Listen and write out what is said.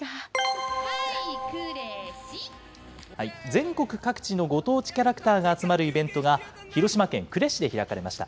全国各地のご当地キャラクターが集まるイベントが、広島県呉市で開かれました。